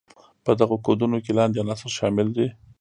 په دغو کودونو کې لاندې عناصر شامل دي.